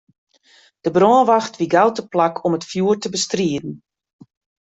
De brânwacht wie gau teplak om it fjoer te bestriden.